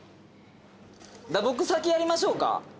僕先やりましょうか。